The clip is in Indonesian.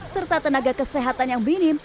serta tenaga kesehatan yang minim